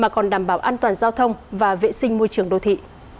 mà còn đảm bảo an toàn giao thông và vệ sinh môi trường đô thị